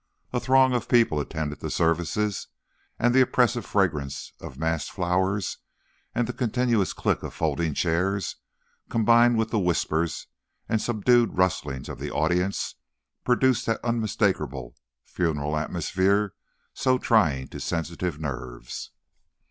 A throng of people attended the services and the oppressive fragrance of massed flowers and the continuous click of folding chairs, combined with the whispers and subdued rustling of the audience, produced that unmistakable funeral atmosphere so trying to sensitive nerves.